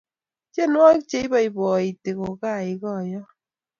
tienwokik cheipoipoiti kokaikaiyo